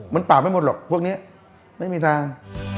มันปากไม่หมดหรอกพวกนี้ไม่มีทาง